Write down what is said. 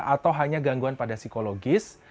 atau hanya gangguan pada sisi perempuan